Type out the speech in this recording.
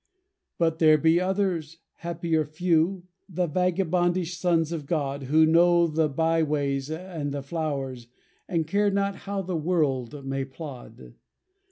But there be others, happier few, The vagabondish sons of God, Who know the by ways and the flowers, And care not how the world may plod.